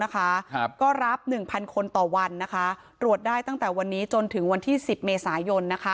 ก็รับ๑๐๐คนต่อวันตรวจได้ตั้งแต่วันนี้จนถึงวันที่๑๐เมษายน